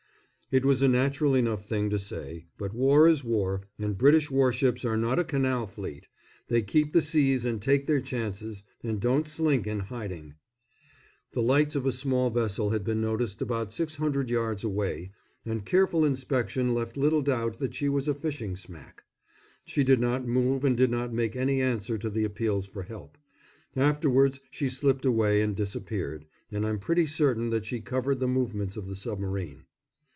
It was a natural enough thing to say, but war is war and British warships are not a canal fleet; they keep the seas and take their chances, and don't slink in hiding. The lights of a small vessel had been noticed about six hundred yards away, and careful inspection left little doubt that she was a fishing smack. She did not move and did not make any answer to the appeals for help. Afterwards she slipped away and disappeared, and I'm pretty certain that she covered the movements of the submarine.